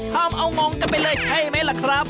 แม่ห้ามเอางองกันไปเลยใช่ไหมล่ะครับ